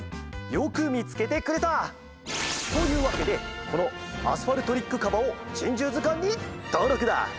よくみつけてくれた！というわけでこのアスファルトリックカバを「珍獣図鑑」にとうろくだ！